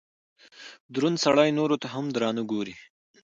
دروند سړئ نورو ته هم درانه ګوري